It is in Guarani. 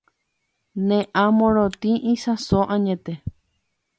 Ne ã morotĩ isãso añete